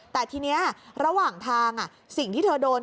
แต่ทีนี้ระหว่างทางสิ่งที่เธอโดน